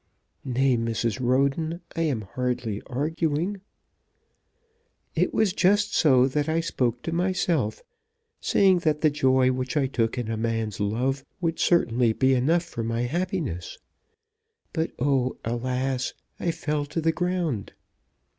"Nay, Mrs. Roden, I am hardly arguing." "It was just so that I spoke to myself, saying that the joy which I took in a man's love would certainly be enough for my happiness. But oh, alas! I fell to the ground.